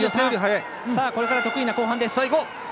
これから得意な後半です。